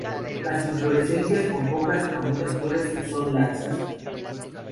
Las inflorescencias con pocas a muchas flores, son laxas.